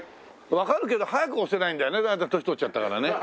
わかるけど早く押せないんだよね年取っちゃったからね。